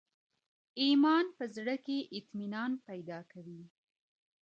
ایمان په زړه کي اطمینان پیدا کوي.